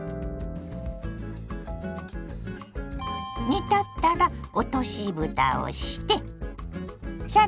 煮立ったら落としぶたをしてさらにふた。